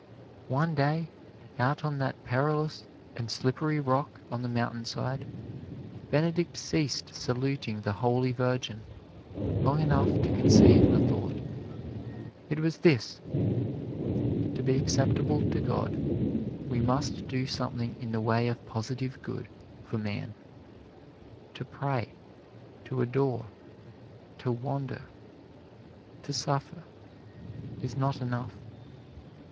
One day, out on that perilous and slippery rock on the mountain side, Benedict ceased saluting the Holy Virgin long enough to conceive a thought. It was this: To be acceptable to God, we must do something in the way of positive good for man. To pray, to adore, to wander, to suffer, is not enough.